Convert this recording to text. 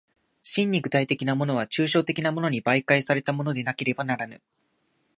真に具体的なものは抽象的なものに媒介されたものでなければならぬ。